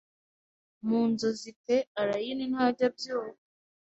Mu nzozi pe Allayne ntajya abyuka